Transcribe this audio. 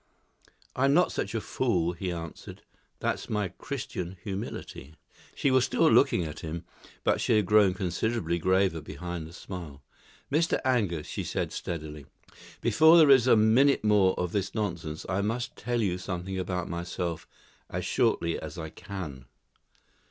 "I'm not such a fool," he answered; "that's my Christian humility." She was still looking at him; but she had grown considerably graver behind the smile. "Mr. Angus," she said steadily, "before there is a minute more of this nonsense I must tell you something about myself as shortly as I can.